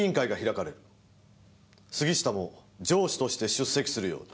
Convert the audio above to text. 杉下も上司として出席するように。